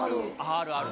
あるある。